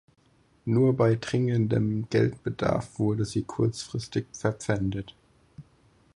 Nur bei dringendem Geldbedarf wurde sie kurzfristig verpfändet.